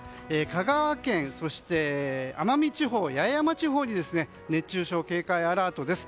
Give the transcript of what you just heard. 香川県、奄美地方、八重山地方に熱中症警戒アラートです。